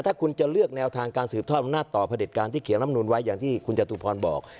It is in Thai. ถ้าคุณจะเลือกแนวทางการสืบทอดอำนาจต่อพระเด็จการที่เขียนลำนูนไว้อย่างที่คุณจตุพรบอก